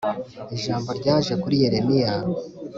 ijambo ryaje kuri Yeremiya